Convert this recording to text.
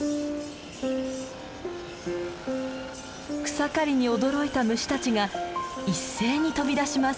草刈りに驚いた虫たちが一斉に飛びだします。